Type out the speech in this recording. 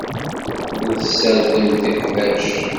Ur tessardemt iqbac.